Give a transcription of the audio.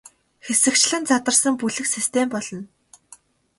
Хэсэгчлэн задарсан бүлэг систем болно.